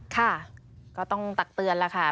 ค่ะก็ต้องตักเตือนแล้วค่ะ